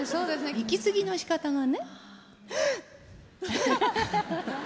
息継ぎのしかたがね「ハッハッ」。